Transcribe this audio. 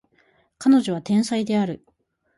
彼女は天才である